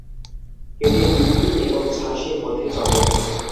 এটি দিল্লি এবং ঝাঁসির মধ্যে চলে।